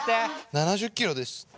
７０キロです。